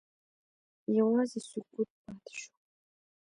یوازې سکوت پاتې شو.